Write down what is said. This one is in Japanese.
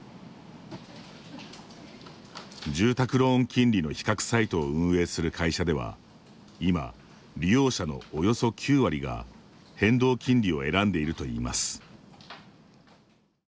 住宅ローン金利の比較サイトを運営する会社では今、利用者のおよそ９割が変動金利を選んでいるといいます。